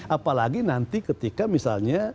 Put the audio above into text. apalagi nanti ketika misalnya